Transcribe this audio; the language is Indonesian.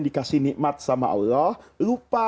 dikasih nikmat sama allah lupa